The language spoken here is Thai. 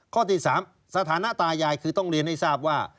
ข้อที่๓สถานะตายายคือต้องเรียนให้ทราบว่า